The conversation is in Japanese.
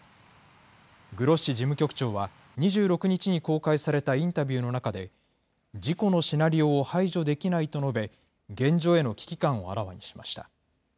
グロッシ事務局長は２６日に公開されたインタビューの中で、事故のシナリオを排除できないと述べ、現状への危機感をあらわにしました。